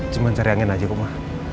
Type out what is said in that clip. cuman cari angin aja kumah